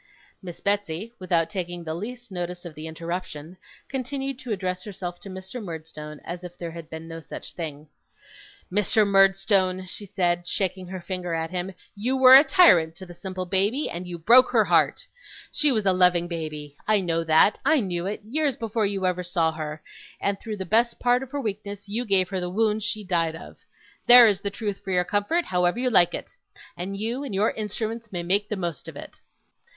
Miss Betsey, without taking the least notice of the interruption, continued to address herself to Mr. Murdstone as if there had been no such thing. 'Mr. Murdstone,' she said, shaking her finger at him, 'you were a tyrant to the simple baby, and you broke her heart. She was a loving baby I know that; I knew it, years before you ever saw her and through the best part of her weakness you gave her the wounds she died of. There is the truth for your comfort, however you like it. And you and your instruments may make the most of it.